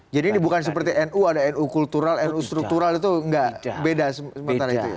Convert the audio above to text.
jadi ini bukan seperti nu ada nu kultural nu struktural itu nggak beda sementara itu ya